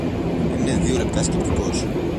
Έμεινε δυο λεπτά σκεπτικός.